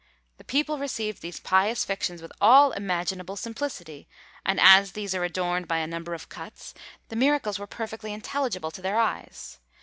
The people received these pious fictions with all imaginable simplicity, and as these are adorned by a number of cuts, the miracles were perfectly intelligible to their eyes.